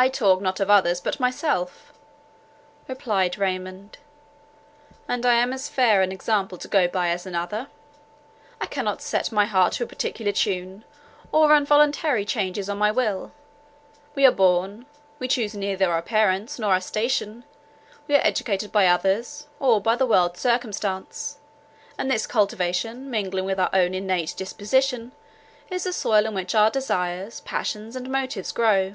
"I talk not of others, but myself," replied Raymond, "and I am as fair an example to go by as another. I cannot set my heart to a particular tune, or run voluntary changes on my will. We are born; we choose neither our parents, nor our station; we are educated by others, or by the world's circumstance, and this cultivation, mingling with our innate disposition, is the soil in which our desires, passions, and motives grow."